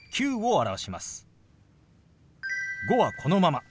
「５」はこのまま。